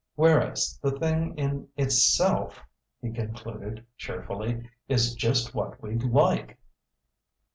Whereas the thing in itself," he concluded cheerfully, "is just what we'd like."